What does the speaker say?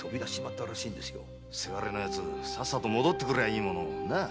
伜の奴さっさと戻ってくりゃいいものをなあ？